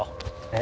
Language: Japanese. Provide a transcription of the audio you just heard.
え？